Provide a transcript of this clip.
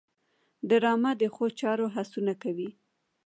ډرامه د ښو چارو هڅونه کوي